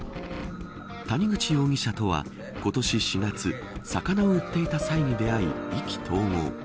谷口容疑者とは今年４月魚を売っていた際に出会い意気投合。